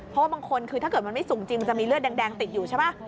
เพราะว่าบางคนคือถ้าเกิดมันไม่สูงจริงมันจะมีเลือดแดงติดอยู่ใช่ไหม